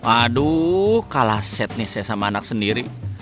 aduh kalah set nih saya sama anak sendiri